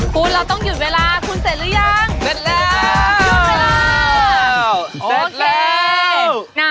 คุณเราต้องหยุดเวลาคุณเสร็จหรือยังเสร็จแล้วหมดเวลาโอเค